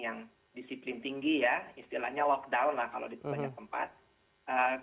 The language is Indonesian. yang disiplin tinggi ya istilahnya lockdown lah kalau ditempatnya keempat